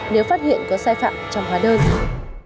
nếu phát hiện có sai phạm trong hóa đơn